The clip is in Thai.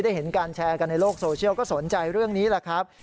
เห็นการแชร์กันในโลกโซเชียลก็สนใจเรื่องนี้แหละครับ